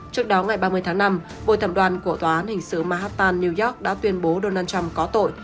trước đó ngày ba mươi tháng năm bộ thẩm đoàn của tòa án hình sự mahatan new york đã tuyên bố donald trump có tội